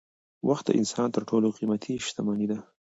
وخت د انسان تر ټولو قيمتي شتمني ده.